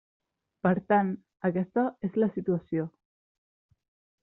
Per tant, aquesta és la situació.